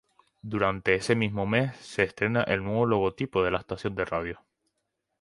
Durante ese mismo mes, se estrena el nuevo logotipo de la estación de radio.